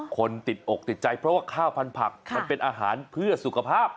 คนติดอกติดใจเพราะว่าข้าวพันผักมันเป็นอาหารเพื่อสุขภาพ